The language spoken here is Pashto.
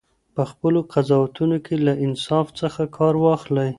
په خپلو قضاوتونو کې له انصاف څخه کار واخلئ.